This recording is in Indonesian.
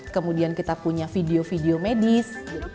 kemudian kita punya video video medis